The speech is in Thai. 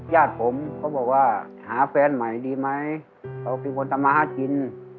ญาติผมเขาบอกว่าหาแฟนใหม่ดีไหมเขาเป็นคนทำมาหากิน